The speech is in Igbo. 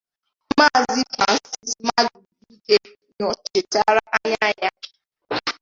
Maazị Francis Mmadubuike nọchitere anya ya